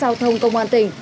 các giao thông công an tỉnh